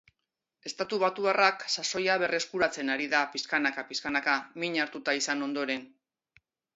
Estatubatuarrak sasoia berreskuratzen ari da pixkanaka-pixkanaka min hartuta izan ondoren.